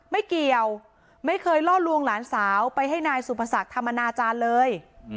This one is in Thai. ไม่เกี่ยวไม่เคยล่อลวงหลานสาวไปให้นายสุภศักดิ์ทำอนาจารย์เลย